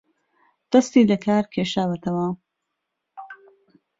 دەستی لەکار کێشاوەتەوە